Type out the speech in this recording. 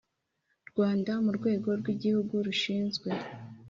Rwanda mu rwego rw igihugu rushinzwe